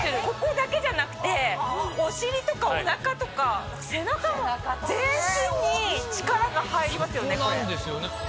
ここだけじゃなくてお尻とかおなかとか背中も全身に力が入りますよね